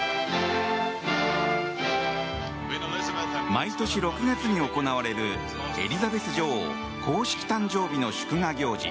毎年６月に行われるエリザベス女王公式誕生日の祝賀行事